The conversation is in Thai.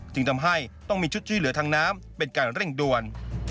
จึงทำให้ต้องมีชุดช่วยเหลือทางน้ำเป็นการเร่งด่วน